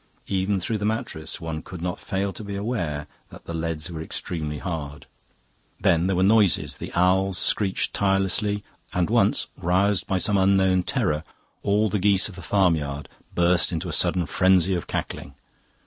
Even through the mattress one could not fail to be aware that the leads were extremely hard. Then there were noises: the owls screeched tirelessly, and once, roused by some unknown terror, all the geese of the farmyard burst into a sudden frenzy of cackling.